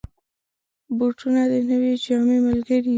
بوټونه د نوې جامې ملګري وي.